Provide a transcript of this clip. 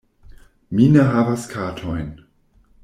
Mi ne havas katojn.